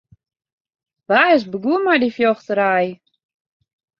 Wa is begûn mei dy fjochterij?